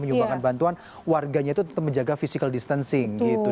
menyumbangkan bantuan warganya itu tetap menjaga physical distancing gitu